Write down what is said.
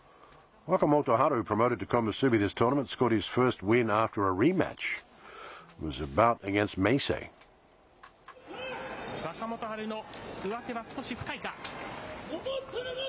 若元春の上手は少し深いか。